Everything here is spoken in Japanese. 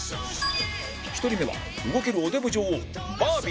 １人目は動けるおデブ女王バービー